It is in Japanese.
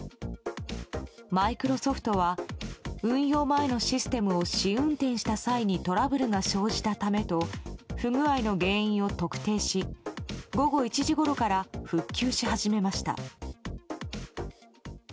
マイクロソフトは運用前のシステムを試運転した際にトラブルが生じたためと不具合の原因を特定し午後１時ごろから復旧し始めました。